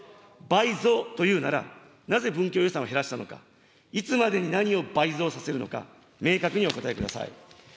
倍増というなら、なぜ文教予算を減らしたのか、いつまでに何を倍増させるのか、明確にお答えください。